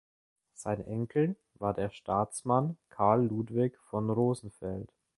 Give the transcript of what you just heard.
Sein Enkel war der Staatsmann Karl Ludwig von Rosenfeld.